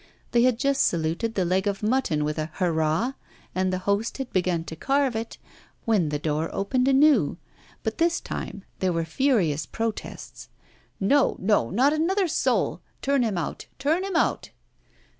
They had just saluted the leg of mutton with a hurrah, and the host had begun to carve it, when the door opened anew. But this time there were furious protests. 'No, no, not another soul! Turn him out, turn him out.